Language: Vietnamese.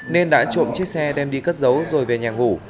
nên đã trộm chiếc xe đem đi cất giấu rồi về nhà ngủ